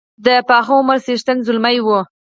د پاخه عمر څښتن زلمی وو.